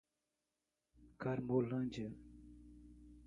Carmolândia